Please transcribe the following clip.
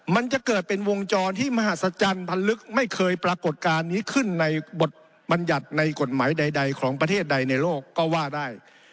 มันจะเกิดเป็นวงจรที่มหัศจรรย์พันลึกไม่เคยปรากฏการณ์นี้ขึ้นในบทบรรยัติในกฎหมายใดของประเทศใดในโลกก็ว่าได้